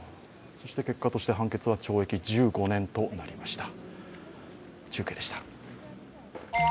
結果として判決は懲役１５年となりました。